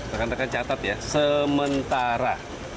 rekan rekan catat ya sementara